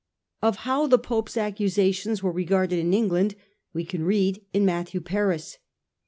Of how the Pope's accusations were regarded in England we can read in Matthew Paris.